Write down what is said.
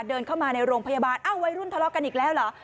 เดินเข้ามาในโรงพยาบาลอ้าววัยรุ่นทะเลาะกันอีกแล้วเหรอ